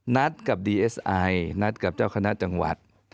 นัดกับดีเอสไอนัดกับเจ้าคณะจังหวัด